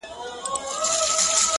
ډيره ژړا لـــږ خـــنــــــــــدا؛